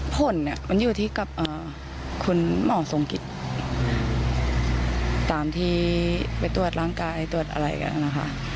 ผลมันอยู่ที่กับคุณหมอทรงกิจตามที่ไปตรวจร่างกายตรวจอะไรกันนะคะ